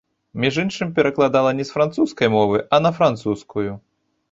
Між іншым, перакладала не з французскай мовы, а на французскую.